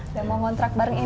yang mau kontrak bareng ini ke